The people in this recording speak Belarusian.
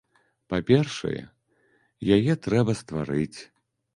Па-першае, яе трэба стварыць.